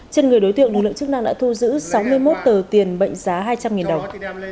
trên người đối tượng lực lượng chức năng đã thu giữ sáu mươi một tờ tiền mệnh giá hai trăm linh đồng